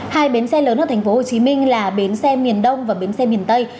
hai bến xe lớn ở thành phố hồ chí minh là bến xe miền đông và bến xe miền tây